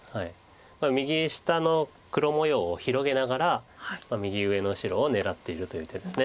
右下の黒模様を広げながら右上の白を狙っているという手です。